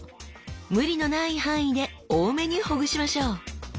無理のない範囲で多めにほぐしましょう！